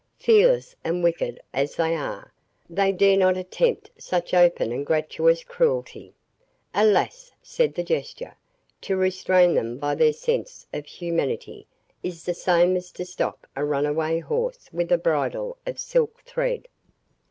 "Fearless and wicked as they are, they dare not attempt such open and gratuitous cruelty!" "Alas!" said the Jester, "to restrain them by their sense of humanity, is the same as to stop a runaway horse with a bridle of silk thread.